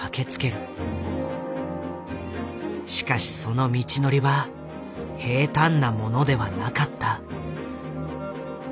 しかしその道のりは平たんなものではなかった。